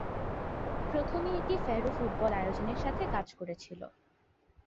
প্রথমে এটি Faroe football আয়োজনের সাথে কাজ করেছিল।